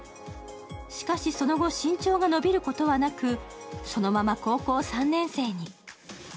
しかし、その後、身長が伸びることはなく、そのまま高校３年生に。